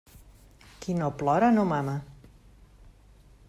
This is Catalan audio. Qui no plora no mama.